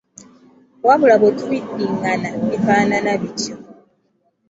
wabula bwe tubiddingana bifaanana bityo.